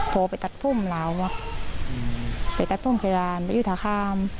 พ่อตัดพึ่งเหล่าไปตัดพึ่งไข่ล้านไปถ้าข้าม